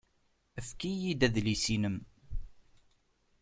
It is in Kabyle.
Efk-iyi-d adlis-nnem.